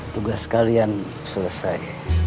tugas kalian selesai